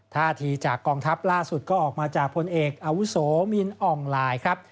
ท่าทีจากกองทัพล่าสุดก็ออกมาจากพลเอกอาวุโสมินอ่องลายครับ